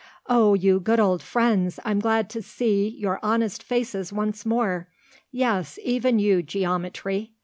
"Oh, you good old friends, I'm glad to see your honest faces once more yes, even you, geometry.